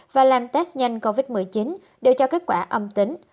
và làm test nhanh covid một mươi chín đều cho kết quả âm tính